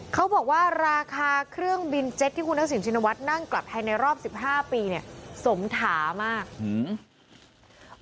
เขาบอกว่าราคาเครื่องบินเจ็ตที่คุณทักษิณชินวัฒน์นั่งกลับไทยในรอบสิบห้าปีเนี่ยสมถามากอืม